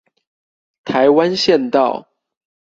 臺灣縣道